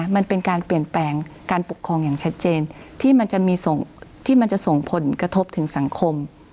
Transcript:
มันเป็นการเปลี่ยนแปลงการปกครองอย่างชัดเจนที่มันจะมีส่งที่มันจะส่งผลกระทบถึงสังคม